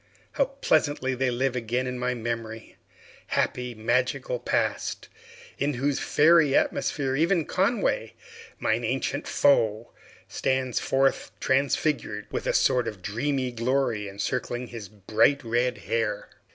How pleasantly they live again in my memory! Happy, magical Past, in whose fairy atmosphere even Conway, mine ancient foe, stands forth transfigured, with a sort of dreamy glory encircling his bright red hair!